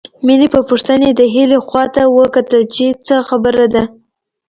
مينې په پوښتنې د هيلې خواته وکتل چې څه خبره ده